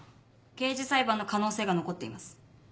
刑事裁判の可能性が残っています。